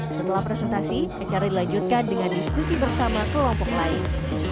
setelah presentasi acara dilanjutkan dengan diskusi bersama kelompok lain